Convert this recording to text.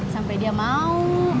sampai dia mau